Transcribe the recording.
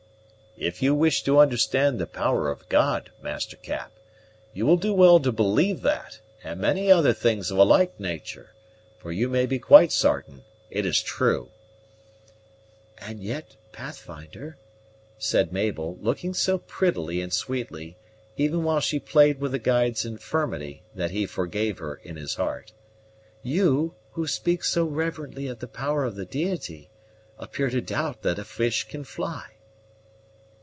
"If you wish to understand the power of God, Master Cap, you will do well to believe that, and many other things of a like natur', for you may be quite sartain it is true." "And yet, Pathfinder," said Mabel, looking so prettily and sweetly even while she played with the guide's infirmity, that he forgave her in his heart, "you, who speak so reverently of the power of the Deity, appear to doubt that a fish can fly."